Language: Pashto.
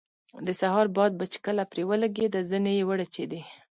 د سهار باد به چې کله پرې ولګېده زنې یې وړچېدې.